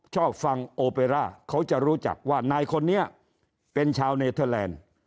ชอบฟังโอเปร่าเขาจะรู้จักว่านายคนนี้เป็นชาวเนเทอร์แลนด์